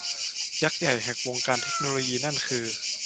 ยักษ์ใหญ่แห่งวงการเทคโนโลยีนั่นคือ